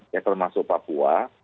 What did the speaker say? yang termasuk papua